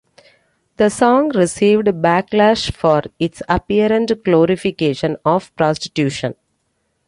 The song received backlash for its apparent glorification of prostitution.